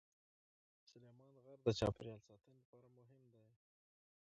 سلیمان غر د چاپیریال ساتنې لپاره مهم دی.